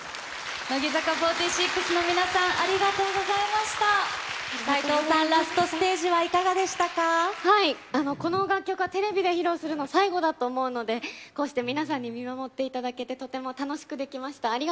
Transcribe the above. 乃木坂４６の皆さん、ありが齋藤さん、ラストステージはこの楽曲はテレビで披露するの、最後だと思うので、こうして皆さんに見守っていただけて、とても楽しくできました。